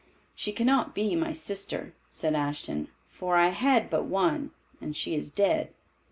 "She cannot be my sister," said Ashton, "for I had but one, and she is dead."